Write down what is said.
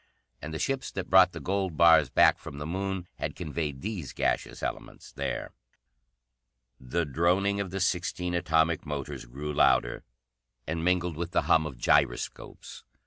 And the ships that brought the gold bars back from the Moon had conveyed these gaseous elements there. The droning of the sixteen atomic motors grew louder, and mingled with the hum of gyroscopes.